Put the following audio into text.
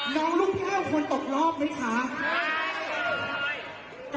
น้องลูกแพ้ควรตกรอบไหมค่ะใช่